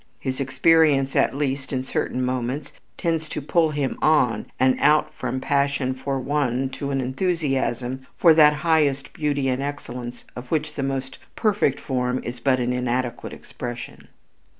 His experience at least in certain moments tends to pull him on and out from the passion for one to an enthusiasm for that highest beauty and excellence of which the most perfect form is but an inadequate expression.